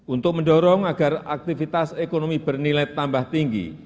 untuk mendorong agar aktivitas ekonomi bernilai tambah tinggi